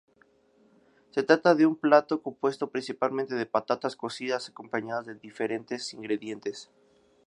Se trata de un plato compuesto principalmente de patatas cocidas acompañadas de diferentes ingredientes.